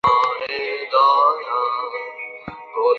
এশীয় দেশ হিসেবে চমক দেখিয়েছে জাপানও।